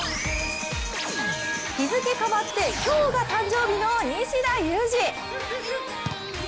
日付変わって今日が誕生日の西田有志。